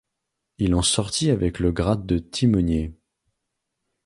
Il en sortit avec le grade de timonier.